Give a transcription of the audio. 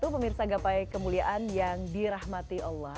pemirsa gapai kemuliaan yang dirahmati allah